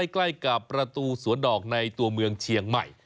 ใกล้กับประตูสวนดอกในตัวเมืองเชียงใหม่